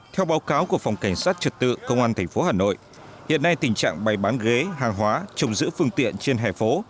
theo báo cáo của phòng cảnh sát trật tự công an tp hà nội hiện nay tình trạng bày bán ghế hàng hóa trồng giữ phương tiện trên hẻ phố